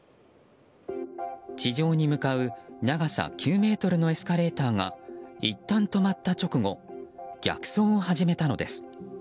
地上に向かう長さ９ｍのエスカレーターがいったん止まった直後逆走を始めたのです。